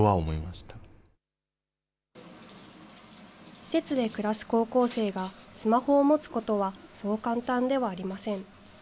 施設で暮らす高校生がスマホを持つことはそう簡単ではありません。